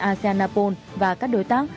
aseanapol và các đối tác